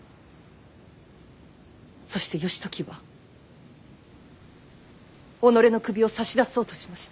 そして義時は己の首を差し出そうとしました。